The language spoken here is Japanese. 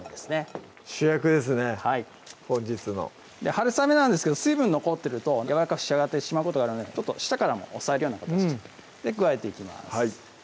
本日のはるさめなんですけど水分残ってるとやわらかく仕上がってしまうことがあるので下からも押さえるような形で加えていきます